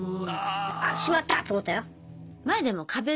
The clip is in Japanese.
あしまった！と思ったよ。